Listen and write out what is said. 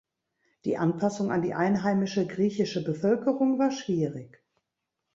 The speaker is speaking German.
Die Anpassung an die einheimische, griechische Bevölkerung war schwierig.